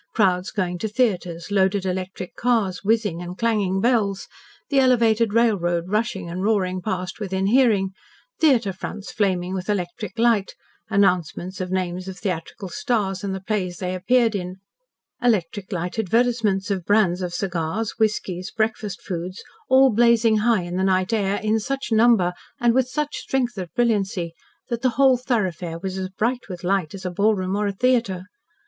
Crowds going to theatres, loaded electric cars, whizzing and clanging bells, the elevated railroad rushing and roaring past within hearing, theatre fronts flaming with electric light, announcements of names of theatrical stars and the plays they appeared in, electric light advertisements of brands of cigars, whiskies, breakfast foods, all blazing high in the night air in such number and with such strength of brilliancy that the whole thoroughfare was as bright with light as a ballroom or a theatre.